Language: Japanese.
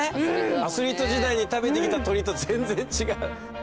アスリート時代に食べてきた鶏と全然違う？